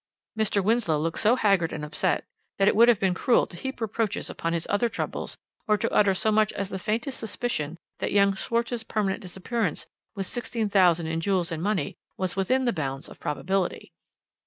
"Mr. Winslow looked so haggard and upset that it would have been cruel to heap reproaches upon his other troubles or to utter so much as the faintest suspicion that young Schwarz's permanent disappearance with £16,000 in jewels and money was within the bounds of probability.